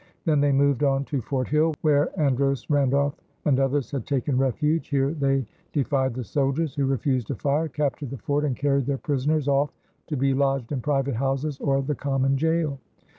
Then they moved on to Fort Hill, where Andros, Randolph, and others had taken refuge. Here they defied the soldiers, who refused to fire, captured the fort, and carried their prisoners off to be lodged in private houses or the common jail.